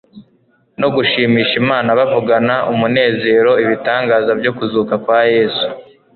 no gushimisha Imana bavugana umunezero ibitangaza byo kuzuka kwa Yesu